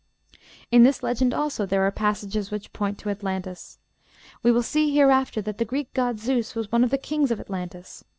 In this legend, also, there are passages which point to Atlantis. We will see hereafter that the Greek god Zeus was one of the kings of Atlantis.